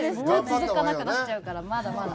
続かなくなっちゃうからまだまだ。